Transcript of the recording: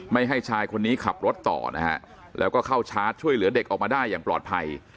ไม่ให้ชายคนนี้ขับรถต่อนะฮะแล้วก็เข้าชาร์จช่วยเหลือเด็กออกมาได้อย่างปลอดภัย